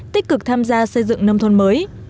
tích cực tham gia xây dựng nông thôn mới